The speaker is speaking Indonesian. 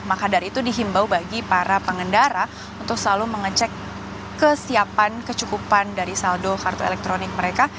maka dari itu dihimbau bagi para pengendara untuk selalu mengecek kesiapan kecukupan dari saldo kartu elektronik mereka